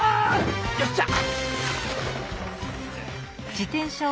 よっしゃ！